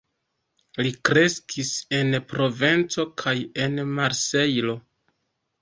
Li kreskis en Provenco kaj en Marsejlo.